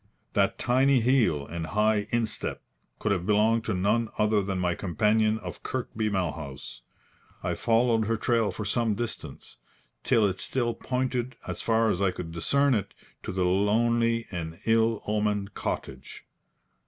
That tiny heel and high instep could have belonged to none other than my companion of Kirkby Malhouse. I followed her trail for some distance, till it still pointed, as far as I could discern it, to the lonely and ill omened cottage.